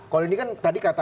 kalau ini kan tadi kata